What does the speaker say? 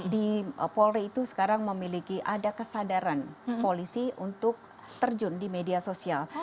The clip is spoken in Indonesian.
di polri itu sekarang memiliki ada kesadaran polisi untuk terjun di media sosial